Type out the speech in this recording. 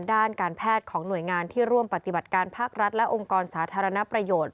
ด้านการแพทย์ของหน่วยงานที่ร่วมปฏิบัติการภาครัฐและองค์กรสาธารณประโยชน์